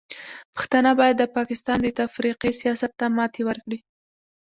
پښتانه باید د پاکستان د تفرقې سیاست ته ماتې ورکړي.